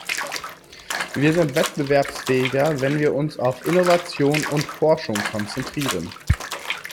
Wir sind wettbewerbsfähiger, wenn wir uns auf Innovation und Forschung konzentrieren.